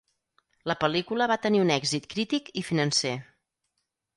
La pel·lícula va tenir un èxit crític i financer.